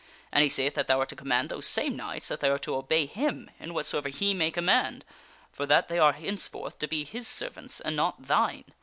And he saith that thou art to command those same knights that they are to obey him in whatsoever he may command, for that they are henceforth to be his servants and not thine.